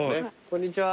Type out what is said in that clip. こんにちは。